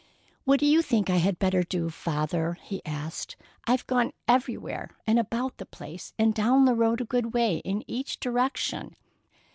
"What do you think I had better do, Father?" he asked. "I've gone everywhere about the place; and down the road a good way in each direction."